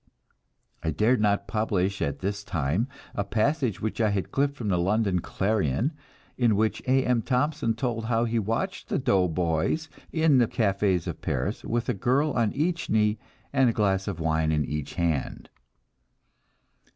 I dared not publish at this time a passage which I had clipped from the London Clarion, in which A. M. Thompson told how he watched the "doughboys" in the cafés of Paris, with a girl on each knee, and a glass of wine in each hand.